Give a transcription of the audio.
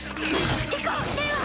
行こう景和！